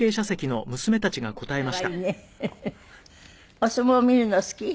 お相撲見るの好き？